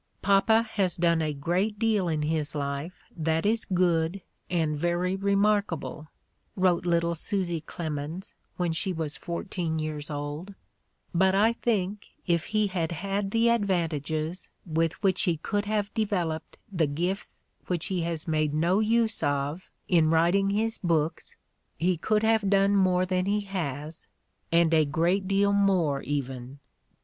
"Papa has done a great deal in his life that is good and very remarkable," wrote little Susy Clemens, when she was fourteen years old, "but I think if he had had the advantages with which he could have developed the gifts which he has made no use of in writing his books ... he could have done more than he has, and a great deal more, even."